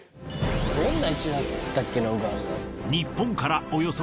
どんな位置だったっけなウガンダ。